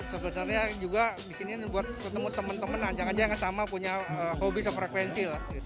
sebenarnya juga di sini buat ketemu teman teman yang sama punya hobi sefrekuensi